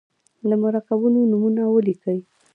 د مرکبونو نومونه ولیکئ.